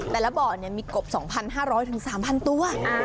แต่ละบ่อมีกบ๒๕๐๐๓๐๐ตัว